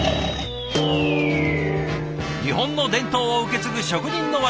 日本の伝統を受け継ぐ職人の技